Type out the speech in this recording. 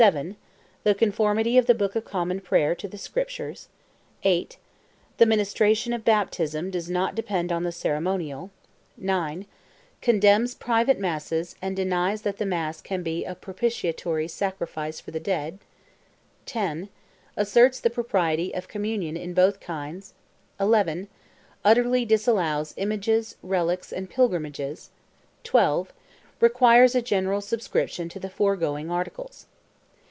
The Conformity of the Book of Common Prayer to the Scriptures; 8. The Ministration of Baptism does not depend on the Ceremonial; 9. Condemns "Private Masses," and denies that the Mass can be a propitiatory Sacrifice for the Dead; 10. Asserts the Propriety of Communion in Both Kinds; 11. Utterly disallows Images, Relics and Pilgrimages; 12. Requires a General Subscription to the foregoing Articles.